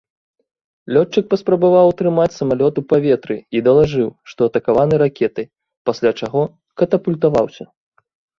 Лётчык паспрабаваў утрымаць самалёт у паветры і далажыў, што атакаваны ракетай, пасля чаго катапультаваўся.